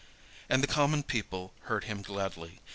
And the common people heard him gladly.